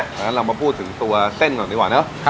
งั้นเรามาพูดถึงตัวเส้นก่อนดีกว่าเนอะ